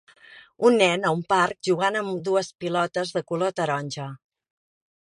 Un nen a un parc jugant amb dues pilotes de color taronja.